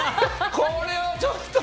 これはちょっと。